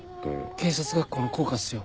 警察学校の校歌っすよ。